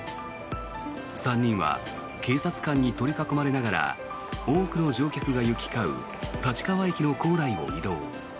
３人は警察官に取り囲まれながら多くの乗客が行き交う立川駅の構内を移動。